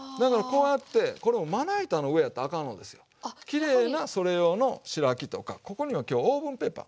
きれいなそれ用の白木とかここには今日オーブンペーパー。